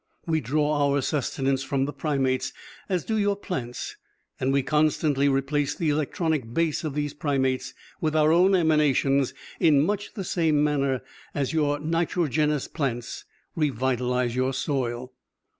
"We draw our sustenance from the primates, as do your plants, and we constantly replace the electronic base of these primates with our own emanations, in much the same manner as your nitrogenous plants revitalize your soil.